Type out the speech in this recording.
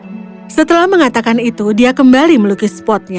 terima kasih nak setelah mengatakan itu dia kembali meluki sport nya